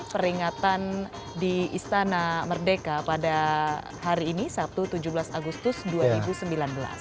peringatan di istana merdeka pada hari ini sabtu tujuh belas agustus dua ribu sembilan belas